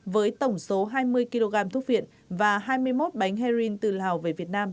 với tổng số hai mươi kg thuốc viện và hai mươi một bánh heroin từ lào về việt nam